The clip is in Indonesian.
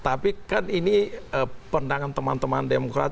tapi kan ini pendangan teman teman demokrat